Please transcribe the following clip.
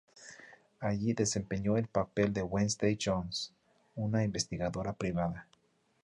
Allí desempeñó el papel de "Wednesday Jones", una investigadora privada.